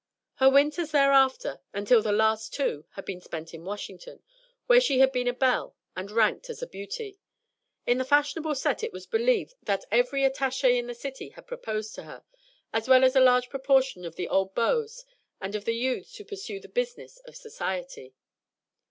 Her winters thereafter until the last two had been spent in Washington, where she had been a belle and ranked as a beauty. In the fashionable set it was believed that every attache, in the city had proposed to her, as well as a large proportion of the old beaux and of the youths who pursue the business of Society.